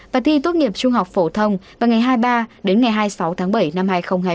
và thi tốt nghiệp trung học phổ thông vào ngày hai mươi ba đến ngày hai mươi sáu tháng bảy năm hai nghìn hai mươi